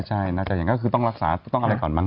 ใช่น่าจะอย่างนั้นก็คือต้องรักษาต้องอะไรก่อนมั